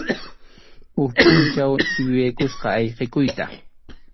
Huk pʼunchaw yuyaykusqa ayqikuyta.